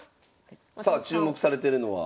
さあ注目されてるのは？